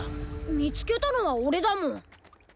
みつけたのはオレだもん。